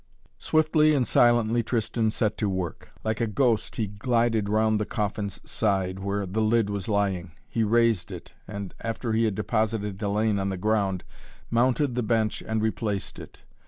Swiftly and silently Tristan set to work. Like a ghost he glided round the coffin's side, where the lid was lying. He raised it and, after he had deposited Hellayne on the ground, mounted the bench and replaced it.